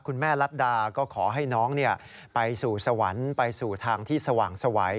แม่รัฐดาก็ขอให้น้องไปสู่สวรรค์ไปสู่ทางที่สว่างสวัย